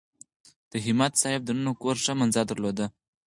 د همت صاحب دننه کور ښه منظره درلوده.